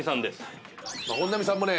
本並さんもね